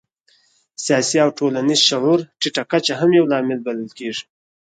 سیاسي او ټولنیز شعور ټیټه کچه هم یو لامل بلل کېږي.